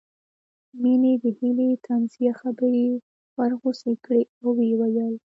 مينې د هيلې طنزيه خبرې ورغوڅې کړې او ويې ويل